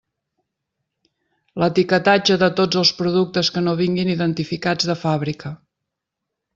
L'etiquetatge de tots els productes que no vinguin identificats de fàbrica.